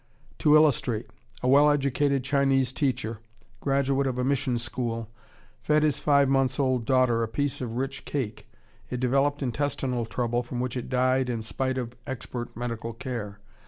To illustrate: A well educated Chinese teacher, graduate of a mission school, fed his five months' old daughter a piece of rich cake. It developed intestinal trouble from which it died in spite of expert medical care.